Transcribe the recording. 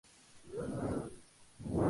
Formó parte de la Segunda Liga ateniense.